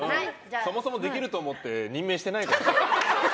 そもそもできると思って任命してないからさ。